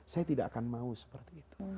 saya tidak akan mau seperti itu